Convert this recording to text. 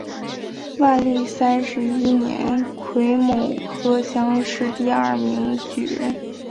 万历三十一年癸卯科乡试第二名举人。